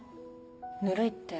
ぬるいって？